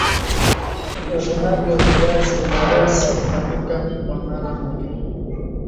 uvunaji wa viazi unawez kufanyika kwa mara moja